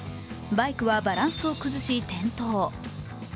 バイクはバランスを崩し転倒。